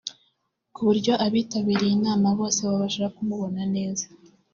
ku buryo abitabiriye inama bose babasha kumubona neza